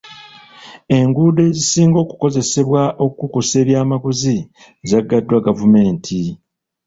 Enguudo ezisinga okukozesebwa okukukusa ebyamaguzi zaggaddwa gavumenti.